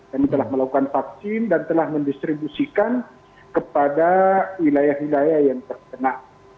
kami telah melakukan vaksin dan telah mendistribusikan kepada wilayah wilayah yang terkena